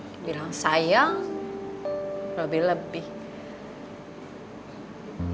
dibilang sayang lebih lebih